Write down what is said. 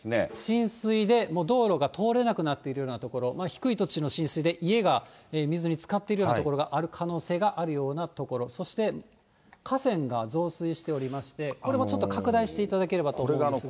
浸水でもう道路が通れなくなっているような所、低い土地の浸水で家が水につかっているような所がある可能性があるような所、そして河川が増水しておりまして、これもちょっと拡大していただければと思うんですが。